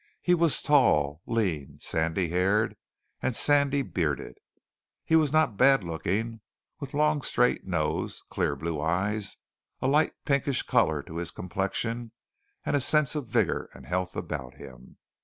He was tall, lean, sandy haired and sandy bearded. He was not bad looking, with long straight nose, clear blue eyes, a light pinkish color to his complexion, and a sense of vigor and health about him.